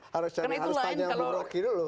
harus tanya bukroki dulu